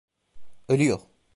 Ölüyor.